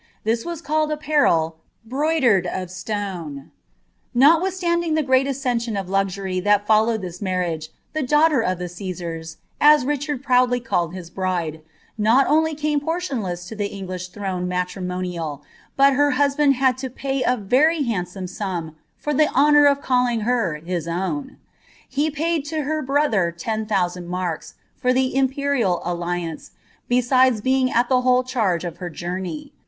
This was called apparel "bmidered of stone.'" Nol withstanding the great accession of luxury that followed this mar ringv, ilie daughter of the Ctesars, (as Richard proudly called his bride,) Bot <>nlv came porlionlesa lo the English throne mairimoniaJ, but her bvsbanJ liad to pay a very handsome aum for the honour of calling her hi* ctwR : he paid to her brother 10,000 marks, for the imperial alliance, besidei being al the whole charge of her journey.